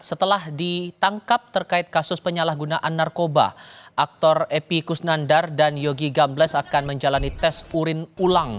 setelah ditangkap terkait kasus penyalahgunaan narkoba aktor epi kusnandar dan yogi gambles akan menjalani tes urin ulang